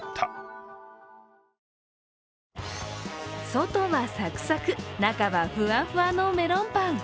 外はサクサク、中はふわふわのメロンパン。